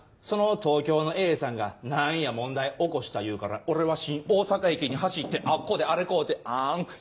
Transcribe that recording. その東京のＡさんが何や問題起こした言うから俺は新大阪駅に走ってあっこであれ買うてあん。